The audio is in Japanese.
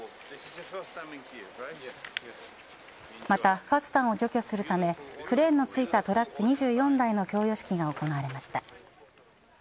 また、不発弾を除去するためクレーンの付いたトラック２４台の供与式が行われました。